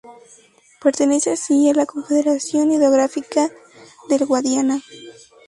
Pertenece así, a la Confederación Hidrográfica del Guadiana.